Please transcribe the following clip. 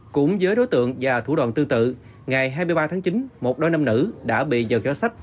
cũng với đối tượng và thủ đoàn tư tự ngày hai mươi ba tháng chín một đôi năm nữ đã bị dầu kéo sách